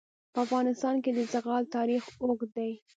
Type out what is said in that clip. په افغانستان کې د زغال تاریخ اوږد دی.